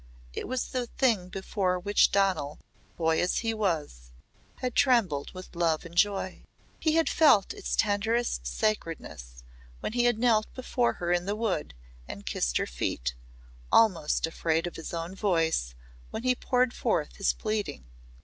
It was the thing before which Donal boy as he was had trembled with love and joy. He had felt its tenderest sacredness when he had knelt before her in the Wood and kissed her feet, almost afraid of his own voice when he poured forth his pleading.